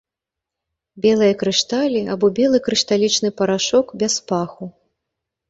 Белыя крышталі або белы крышталічны парашок без паху.